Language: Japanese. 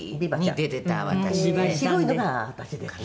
白いのが私ですね。